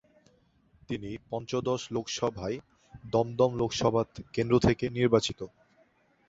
তিনি পঞ্চদশ লোকসভায় দমদম লোকসভা কেন্দ্র থেকে নির্বাচিত।